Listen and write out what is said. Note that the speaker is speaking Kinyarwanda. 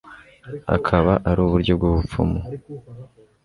akaba ari uburyo bw'ubupfumu